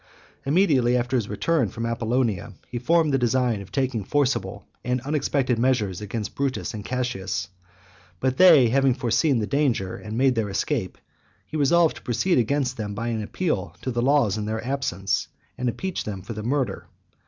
Immediately after his return from Apollonia, he formed the design of taking forcible and unexpected measures against Brutus and Cassius; but they having foreseen the danger and made their escape, he resolved to proceed against them by an appeal to the laws in their absence, and impeach them for the murder.